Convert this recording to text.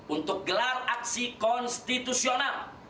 untuk gelar aksi konstitusional